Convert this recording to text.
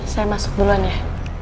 saya masuk duluan ya